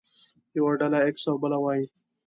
يوه ډله ايکس او بله وايي.